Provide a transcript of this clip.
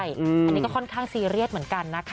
อันนี้ก็ค่อนข้างซีเรียสเหมือนกันนะคะ